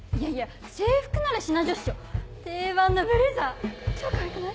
制服なら品女っしょ定番のブレザー超かわいくない？